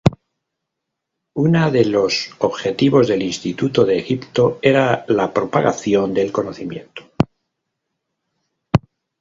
Una de los objetivos del Instituto de Egipto era la propagación del conocimiento.